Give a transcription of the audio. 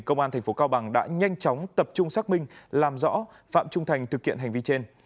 công an tp cao bằng đã nhanh chóng tập trung xác minh làm rõ phạm trung thành thực hiện hành vi trên